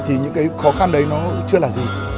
thì những khó khăn đấy nó chưa là gì